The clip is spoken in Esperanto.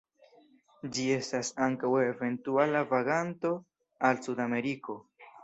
Ĝi estas ankaŭ eventuala vaganto al Sudameriko.